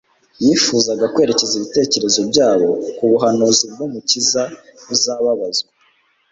Yifuzaga kwerekeza ibitekerezo byabo ku buhanuzi bw'Umukiza uzababazwa